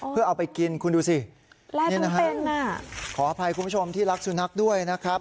เพื่อเอาไปกินคุณดูสินี่นะฮะขออภัยคุณผู้ชมที่รักสุนัขด้วยนะครับ